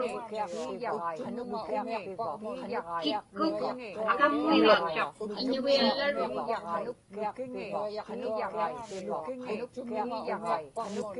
Kamŋuŋitchuq.